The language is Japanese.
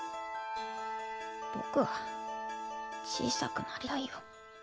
僕は小さくなりたいよ。